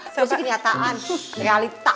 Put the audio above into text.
gossip kenyataan realita